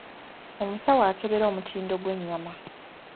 Omusawo akebera omutindo gw'ennyama.